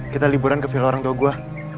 kita liburan ke villa orang tua gue